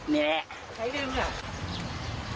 นี่แหละ